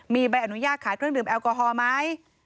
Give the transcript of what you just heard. มีใบอนุญาตขายเครื่องดื่มแอลกอฮอล์ไหม